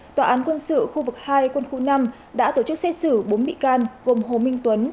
tòa án quân sự khu vực hai quân khu năm đã tổ chức xét xử bốn bị can gồm hồ minh tuấn